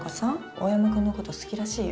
大山くんのこと好きらしいよ。